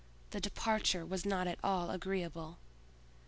The departure was not at all agreeable.